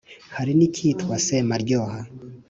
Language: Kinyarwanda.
hari n’ icyitwa semaryoha,